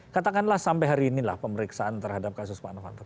katakanlah sampai hari inilah pemeriksaan terhadap kasus pak novanto